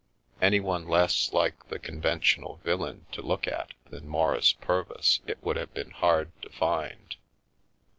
Anyone less like the conventional villain to look at than Maurice Purvis it would have been hard to find.